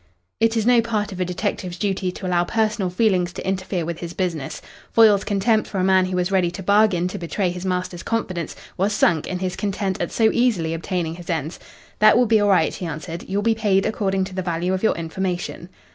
It is no part of a detective's duty to allow personal feelings to interfere with his business. Foyle's contempt for a man who was ready to bargain to betray his master's confidence was sunk in his content at so easily obtaining his ends. "That will be all right," he answered. "You'll be paid according to the value of your information."